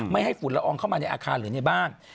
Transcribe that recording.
ให้ฝุ่นละอองเข้ามาในอาคารหรือในบ้าน